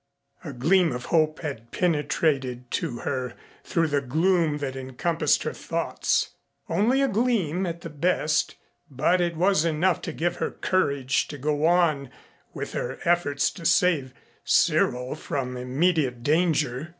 A gleam of hope had penetrated to her through the gloom that encompassed her thoughts only a gleam at the best, but it was enough to give her courage to go on with her efforts to save Cyril from immediate danger.